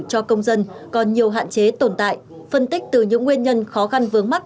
hạn chế tồn tại phân tích từ những nguyên nhân khó khăn vướng mắt